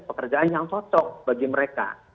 pekerjaan yang cocok bagi mereka